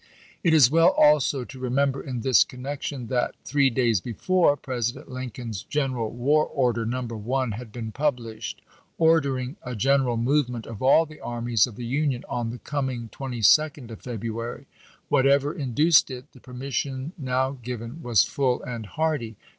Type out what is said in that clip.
It is well also to remember in this connection that, three days before. President Lincoln's General War Order No. 1 had been published, ordering a general move ment of all the armies of the Union on the coming 22d of February. Whatever induced it, the permis sion now given was full and hearty.